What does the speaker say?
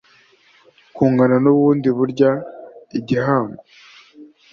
Kungana n’undi burya ni igihango